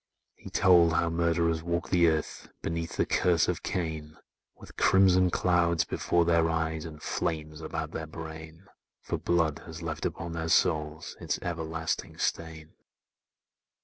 He told how murderers walk the earth Beneath the curse of Cain,— With crimson clouds before their eyes, And flames about their brain: For blood has left upon their souls Its everlasting stain!